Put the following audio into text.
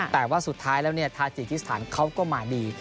แต่ว่าสุดท้ายแล้วเนี่ยทาจิกิสถานเขาก็มาดี